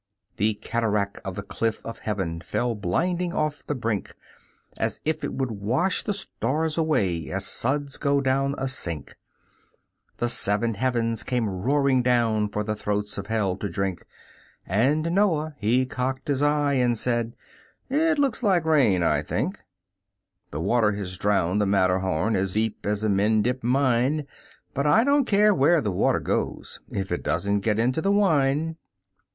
The cataract of the cliff of heaven fell blinding off the brink As if it would wash the stars away as suds go down a sink, The seven heavens came roaring down for the throats of hell to drink, And Noah he cocked his eye and said, "It looks like rain, I think, The water has drowned the Matterhorn as deep as a Mendip mine, But I don't care where the water goes if it doesn't get into the wine."